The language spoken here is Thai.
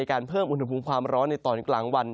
เพิ่มอุณหภูมิความร้อนในตอนกลางวัน